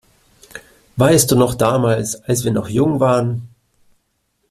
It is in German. Weißt du noch damals, als wir noch jung waren?